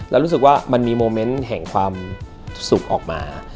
เรารู้สึกว่ามันมีใหม่แห่งความสุขออกมา